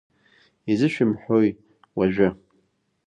Изышәымҳәои уажәы?